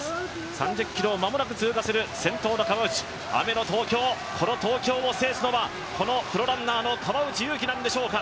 ３０ｋｍを間もなく通過する川内選手、雨の東京、この東京を制するのはこのプロランナーの川内優輝なんでしょうか。